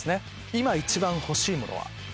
「今一番ほしいものは？」。